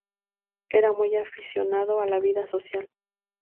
Era muy aficionado a la vida social.